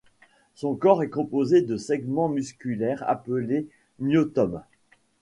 Son corps est composé de segments musculaires appelés myotomes.